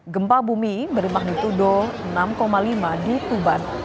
gempa bumi bernama nitu do enam lima di tuban